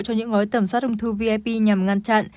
cho những gói tầm soát đông thư vip nhằm ngăn chặn